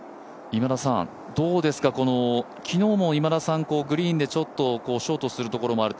昨日も今田さん、グリーンでちょっとショートするところもある。